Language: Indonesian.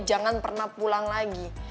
jangan pernah pulang lagi